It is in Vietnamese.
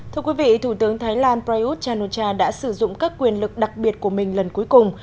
thưa quý vị thủ tướng thái lan prayuth chan o cha đã sử dụng các quyền lực đặc biệt của mình lần cuối cùng